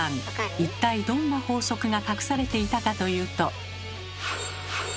一体どんな法則が隠されていたかというと。